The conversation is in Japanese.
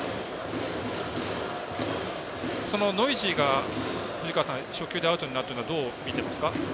そのノイジーが初球でアウトになるというのはどうみてますか。